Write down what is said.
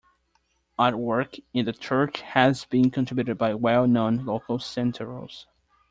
Artwork in the church has been contributed by well known local Santeros.